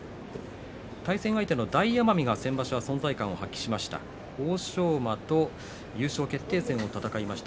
対戦相手、大奄美先場所は存在感を発揮しました。